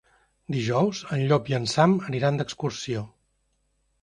Dijous en Llop i en Sam aniran d'excursió.